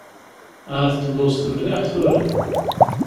Ahat telluẓeḍ mliḥ tura.